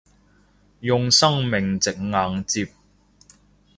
用生命值硬接